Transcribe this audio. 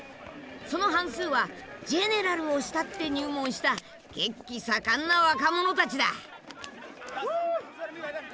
その半数はジェネラルを慕って入門した血気盛んな若者たちだ。